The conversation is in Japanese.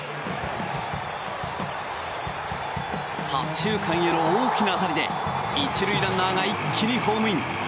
左中間への大きな当たりで１塁ランナーが一気にホームイン。